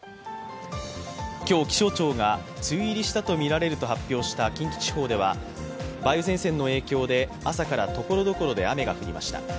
今日、気象庁が梅雨入りしたとみられると発表した近畿地方では梅雨前線の影響で朝から所々で雨が降りました。